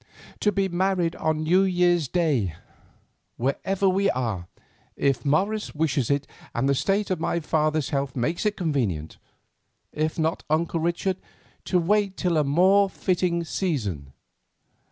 "To be married on New Year's Day, wherever we are, if Morris wishes it and the state of my father's health makes it convenient. If not, Uncle Richard, to wait till a more fitting season."